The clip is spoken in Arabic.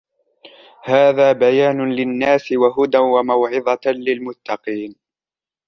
هَذَا بَيَانٌ لِلنَّاسِ وَهُدًى وَمَوْعِظَةٌ لِلْمُتَّقِينَ